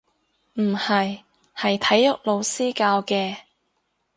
唔係，係體育老師教嘅